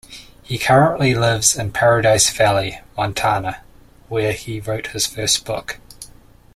He currently lives in Paradise Valley, Montana, where he wrote his first book.